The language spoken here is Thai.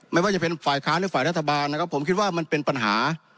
ไม่ว่าจะเป็นฝ่ายค้านหรือฝ่ายรัฐบาลนะครับผมคิดว่ามันเป็นปัญหา